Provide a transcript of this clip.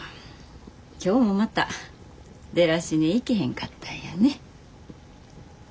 今日もまたデラシネ行けへんかったんやね。